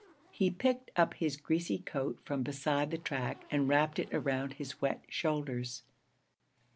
He picked up his greasy coat from beside the track and wrapped it around his wet shoulders.